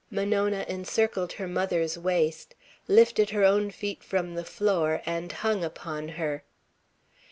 Monona encircled her mother's waist, lifted her own feet from the floor and hung upon her.